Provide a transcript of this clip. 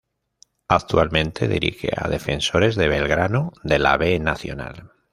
Actualmente dirige a Defensores de Belgrano de la B Nacional.